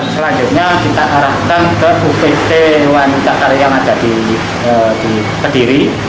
selanjutnya kita arahkan ke upt wanita karir yang ada di kediri